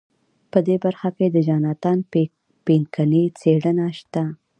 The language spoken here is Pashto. په دې برخه کې د جاناتان پینکني څېړنه شته.